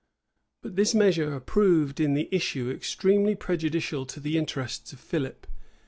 But this measure proved in the issue extremely prejudicial to the interests of Philip.